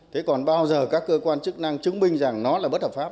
thế còn bao giờ các cơ quan chức năng chứng minh rằng nó là bất hợp pháp